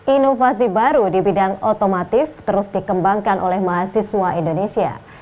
inovasi baru di bidang otomatif terus dikembangkan oleh mahasiswa indonesia